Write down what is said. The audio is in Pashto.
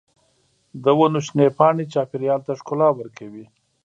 د ونو شنې پاڼې چاپېریال ته ښکلا ورکوي.